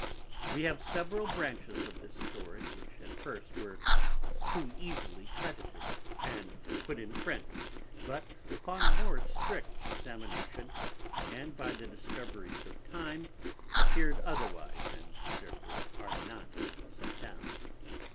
We have several Branches of this Story which at first were too easily credited, and put in Print, but upon more strict examination, and by the discoveries of Time, appear'd otherwise, and therefore are not set down.